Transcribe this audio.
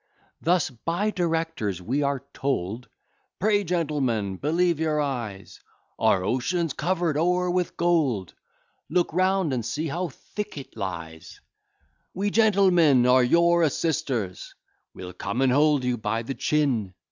Thus, by directors we are told, "Pray, gentlemen, believe your eyes; Our ocean's cover'd o'er with gold, Look round, and see how thick it lies: "We, gentlemen, are your assisters, We'll come, and hold you by the chin."